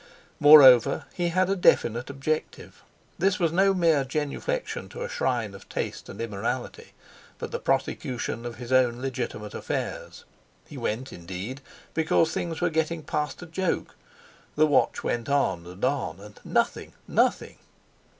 Moreover, he had a definite objective. This was no mere genuflexion to a shrine of taste and immorality, but the prosecution of his own legitimate affairs. He went, indeed, because things were getting past a joke. The watch went on and on, and—nothing—nothing!